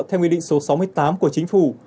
theo nguyên định số sáu mươi tám của chính phủ